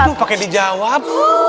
lupa yang dijawab